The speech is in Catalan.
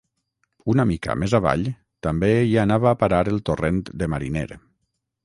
Una mica més avall també hi anava a parar el torrent de Mariner.